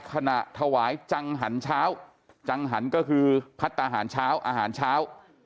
ขณะถวายจังหันเช้าจังหันก็คือพัฒนาหารเช้าอาหารเช้า